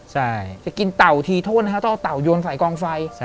กับจะกินเต่าทีโทษตั้งแต่เอาเต่าโยนใส่กองไฟ